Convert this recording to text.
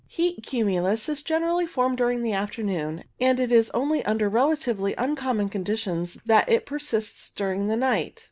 Heat cumulus is generally formed during the afternoon, and it is only under relatively uncommon conditions that it 86 CUMULUS persists during the night.